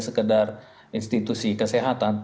sekedar institusi kesehatan